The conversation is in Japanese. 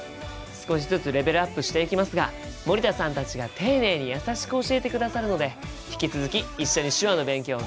少しずつレベルアップしていきますが森田さんたちが丁寧に優しく教えてくださるので引き続き一緒に手話の勉強頑張りましょうね！